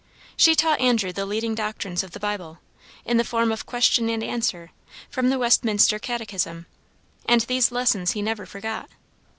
She taught Andrew the leading doctrines of the Bible, in the form of question and answer, from the Westminster catechism: and these lessons he never forgot.